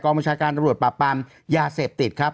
บัญชาการตำรวจปราบปรามยาเสพติดครับ